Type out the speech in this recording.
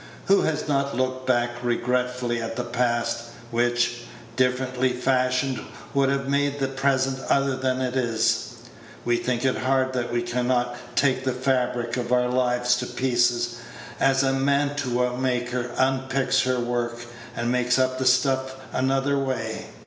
Who has not looked back regretfully at the past, which, differently fashioned, would have made the present other than it is? We think it hard that we can not take the fabric of our life to pieces, as a mantua maker unpicks her work, and make up the stuff another way.